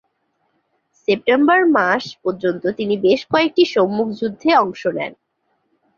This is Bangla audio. সেপ্টেম্বর মাস পর্যন্ত তিনি বেশ কয়েকটি সম্মুখ যুদ্ধে অংশ নেন।